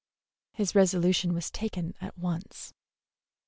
His resolution was taken at once.